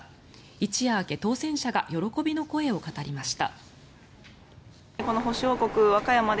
一夜明け、当選者が喜びの声を語りました。